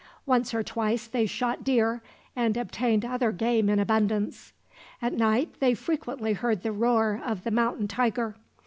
Once or twice they shot deer, and obtained other game in abundance. At night they frequently heard the roar of the mountain tiger.